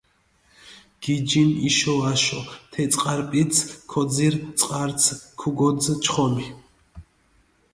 გიჯინ იშო-აშო თე წყარიპიცჷ, ქოძირჷ წყარცჷ ქჷგოძჷ ჩხომი.